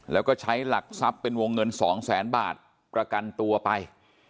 แล้วก็ใช้หลักทรัพย์เป็นวงเงิน๒แสนบาทประกันตัวไป